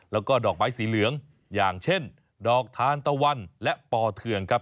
แล้วก็ดอกไม้สีเหลืองอย่างเช่นดอกทานตะวันและปอเทืองครับ